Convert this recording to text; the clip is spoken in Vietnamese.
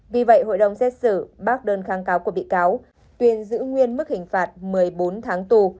vì vậy hội đồng xét xử bác đơn kháng cáo của bị cáo tuyên giữ nguyên mức hình phạt một mươi bốn tháng tù